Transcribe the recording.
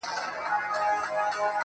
وتاته زه په خپله لپه كي.